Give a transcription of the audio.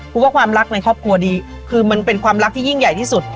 ว่าความรักในครอบครัวดีคือมันเป็นความรักที่ยิ่งใหญ่ที่สุด